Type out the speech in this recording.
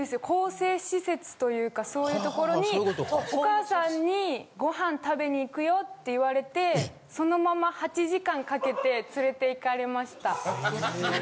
更生施設というかそういう所にお母さんに「ご飯食べに行くよ」って言われてそのまま８時間かけて連れて行かれました。